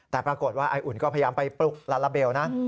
แต่ปรากฏว่าไออุ่นก็พยายามไปปลุกลาลาเบลนะ